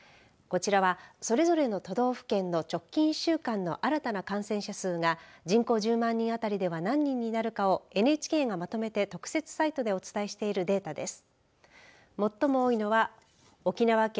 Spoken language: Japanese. こちらは、それぞれの都道府県の直近１週間の新たな感染者数が人口１０万人あたりでは何人になるかをＮＨＫがまとめて特設サイトでお伝えしているデータです。